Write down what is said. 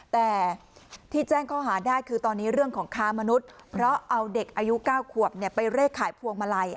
แต่ที่แจ้งข้อหาได้คือตอนนี้เรื่องของค้ามนุษย์เพราะเอาเด็กอายุ๙ขวบไปเลขขายพวงมาลัย